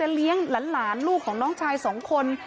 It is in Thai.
เลี้ยงหลานลูกของน้องชายสองคน